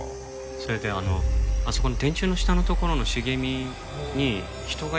それであのあそこの電柱の下の所の茂みに人がいたんですよ。